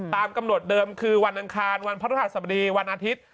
ตามกำหนดเดิมคือวันอังคารวันพระฤหัสบดีวันอาทิตย์